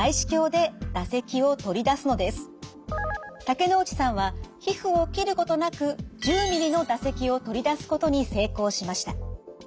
竹之内さんは皮膚を切ることなく１０ｍｍの唾石を取り出すことに成功しました。